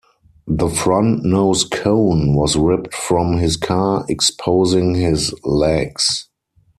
The front nose-cone was ripped from his car, exposing his legs.